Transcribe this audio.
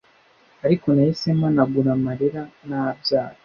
ariko nahise mpanagura amarira nabyaye